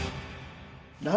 何？